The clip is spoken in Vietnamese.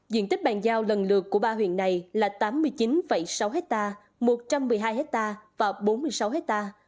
diện tích bàn giao lần lượt của ba huyện này là tám mươi chín sáu ha một trăm một mươi hai ha và bốn mươi sáu ha